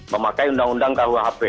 memakai undang undang kuhp